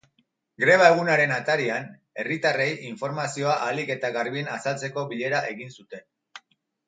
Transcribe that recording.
Greba egunaren atarian, herritarrei informazioa ahalik eta garbien azaltzeko bilera egin zuten.